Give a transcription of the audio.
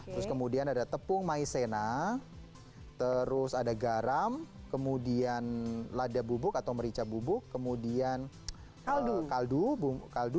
terus kemudian ada tepung maizena terus ada garam kemudian lada bubuk atau merica bubuk kemudian kaldu